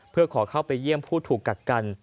เพื่อขอเข้าไปเยี่ยมผู้ถูกกักกัน